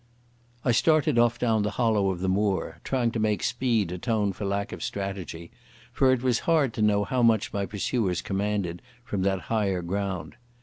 I started off down the hollow of the moor, trying to make speed atone for lack of strategy, for it was hard to know how much my pursuers commanded from that higher ground.